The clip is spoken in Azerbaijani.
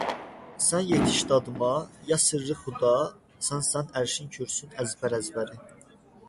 Sən yetiş dadıma, ya sirri-xuda, Sənsən ərşin-kürsün əzbər-əzbəri.